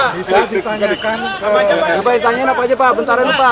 bisa ditanyakan ke bapak pak jepang bentar ya pak